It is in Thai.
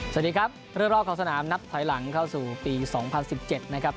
สวัสดีครับเริ่มรอบของสนามนับถอยหลังเข้าสู่ปีสองพันสิบเจ็ดนะครับ